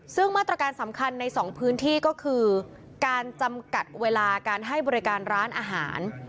ซึ่งมาตรการสำคัญในสองพื้นที่ก็คือการจำกัดเวลาการให้บริการร้านอาหาร